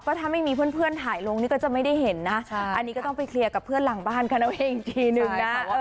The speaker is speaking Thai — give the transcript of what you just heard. ถ้าไม่มีเพื่อนถ่ายลงนี่ก็จะไม่ได้เห็นนะอันนี้ก็ต้องไปเคลียร์กับเพื่อนหลังบ้านกันเอาเองอีกทีนึงนะ